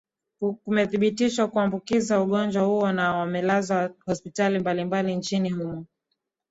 kumethibitishwa kuambukizwa ugonjwa huo na wamelazwa hospitali mbalimbali nchini humo